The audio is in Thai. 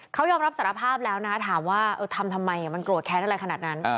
เขายอมรับสารภาพแล้วนะถามว่าทำทำไมมันโกรธแค้นอะไรขนาดนั้น